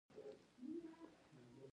ورور له تا سره شوخي کوي.